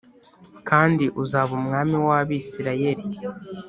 kandi uzaba umwami w’Abisirayeli